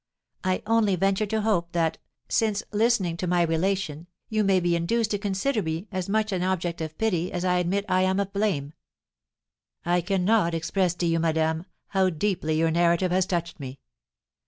I only venture to hope that, since listening to my relation, you may be induced to consider me as much an object of pity as I admit I am of blame." "I cannot express to you, madame, how deeply your narrative has touched me.